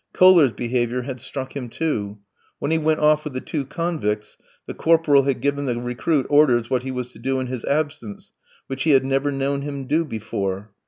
Kohler's behaviour had struck him, too; when he went off with the two convicts, the corporal had given the recruit orders what he was to do in his absence, which he had never known him do before.